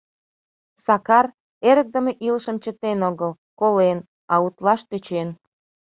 Сакар эрыкдыме илышым чытен огыл, колен, а утлаш тӧчен.